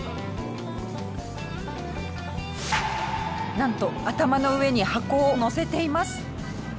なんと頭の上に箱を載せています。